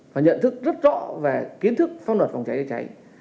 và nhận thức rất rõ về kiến thức pháp luật phòng cháy cháy